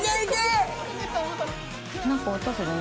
何か音するね